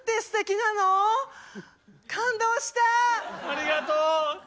ありがとう！う。